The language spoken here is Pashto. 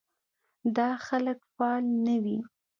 دا خلک فعال نه وي.